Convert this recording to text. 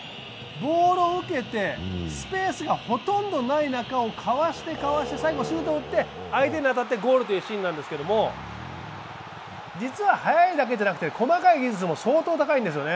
ボールを受けてスペースがほとんどない中をかわしてかわして最後にシュートを打って、相手に当たってゴールというシーンなんですけれども、実は速いだけじゃなくて細かい技術も相当高いんですよね。